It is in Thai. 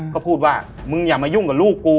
ก็พูดว่ามึงอย่ามายุ่งกับลูกกู